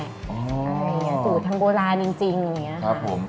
สูตรทางโบราณจริงอย่างนี้อะค่ะ